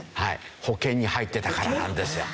保険に入ってたからなんですよ。